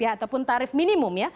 ataupun tarif minimum